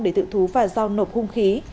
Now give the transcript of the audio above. để thự thú và giao nộp hung khí